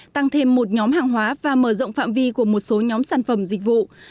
tăng thêm một nhóm hàng hóa và mở rộng phạm vi của một số nhóm sản phẩm dịch vụ